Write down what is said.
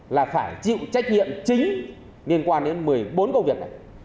là phải chịu trách nhiệm chính liên quan đến một mươi bốn công việc này